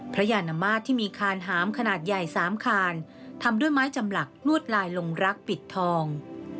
ยานมาตรที่มีคานหามขนาดใหญ่๓คานทำด้วยไม้จำหลักลวดลายลงรักปิดทอง